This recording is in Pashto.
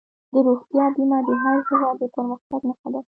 د روغتیا بیمه د هر هېواد د پرمختګ نښه ده.